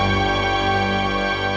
gue mau pergi ke rumah